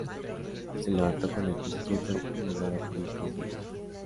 Se levantó con el pie izquierdo y no daba pie con bola